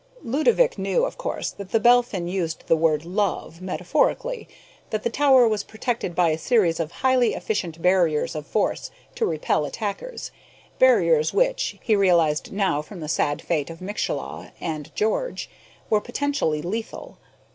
Ludovick knew, of course, that the Belphin used the word love metaphorically, that the Tower was protected by a series of highly efficient barriers of force to repel attackers barriers which, he realized now, from the sad fate of Mieczyslaw and George, were potentially lethal.